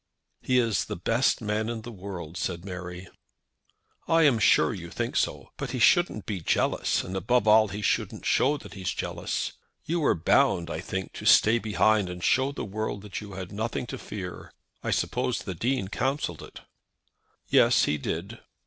"He is the best man in the world," said Mary. "I am sure you think so. But he shouldn't be jealous, and above all he shouldn't show that he's jealous. You were bound, I think, to stay behind and show the world that you had nothing to fear. I suppose the Dean counselled it?" "Yes; he did."